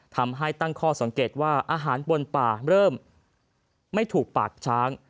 ทำให้ตั้งข้อสังเกตว่าอาหารบนป่าเริ่มไม่ถูกปากช้าง